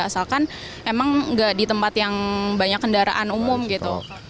asalkan emang gak di tempat yang banyak kendaraan umum gitu